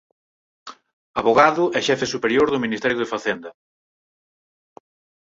Avogado e xefe superior do Ministerio de Facenda.